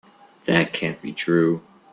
That can't be true.